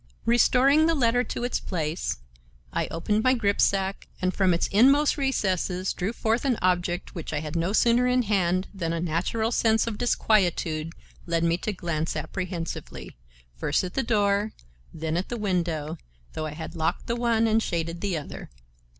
Restoring the letter to its place, I opened my gripsack and from its inmost recesses drew forth an object which I had no sooner in hand than a natural sense of disquietude led me to glance apprehensively, first at the door, then at the window, though I had locked the one and shaded the other.